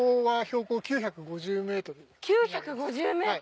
９５０ｍ！